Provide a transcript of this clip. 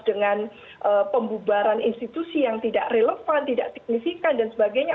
dengan pembubaran institusi yang tidak relevan tidak signifikan dan sebagainya